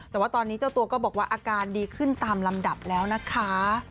แต่ว่าตอนนี้เจ้าตัวก็บอกว่าอาการดีขึ้นตามลำดับแล้วนะคะ